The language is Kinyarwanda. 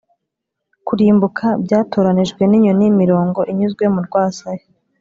kurimbuka, byatoranijwe ninyoni, imirongo inyuze mu rwasaya,